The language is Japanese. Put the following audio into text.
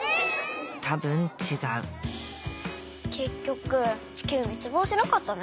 多分違う結局地球滅亡しなかったね。